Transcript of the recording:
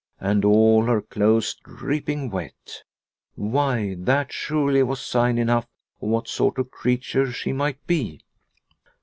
And all her clothes dripping wet ! Why, that surely was sign enough of what sort of creature she might be